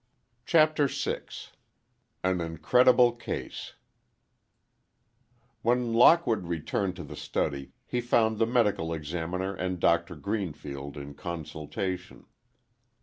CHAPTER VI AN INCREDIBLE CASE When Lockwood returned to the study, he found the Medical Examiner and Doctor Greenfield in consultation.